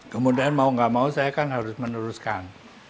kemudian mau gak mau saya kan harus meneruskan